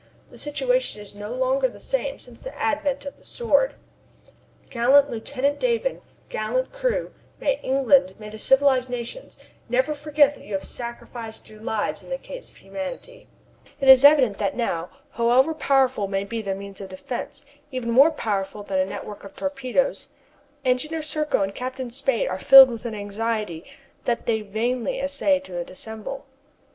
The situation is no longer the same since the advent of the Sword. Gallant Lieutenant Davon, gallant crew, may England, may the civilized nations, never forget that you have sacrificed your lives in the cause of humanity! It is evident that now, however powerful may be their means of defence, even more powerful than a network of torpedoes, Engineer Serko and Captain Spade are filled with an anxiety that they vainly essay to dissemble.